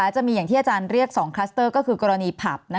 จะมีอย่างที่อาจารย์เรียก๒คลัสเตอร์ก็คือกรณีผับ